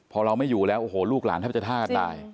พอเราไม่อยู่แล้วโอ้โหลูกหลานแทบจะฆ่ากันตาย